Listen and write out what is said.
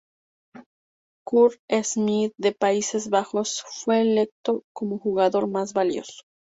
Curt Smith, de Países Bajos, fue electo como Jugador Más Valioso.